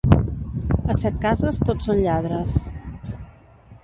A Setcases tots són lladres.